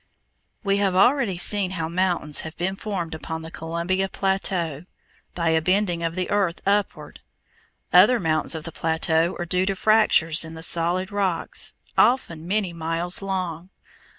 We have already seen how mountains have been formed upon the Columbia plateau, by a bending of the earth upward. Other mountains of the plateau are due to fractures in the solid rocks, often many miles long.